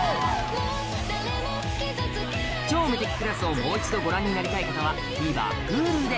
『超無敵クラス』をもう一度ご覧になりたい方はＴＶｅｒＨｕｌｕで